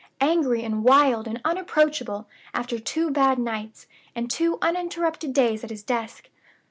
Angry and wild and unapproachable, after two bad nights, and two uninterrupted days at his desk.